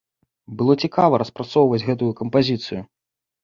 Было цікава распрацоўваць гэтую кампазіцыю.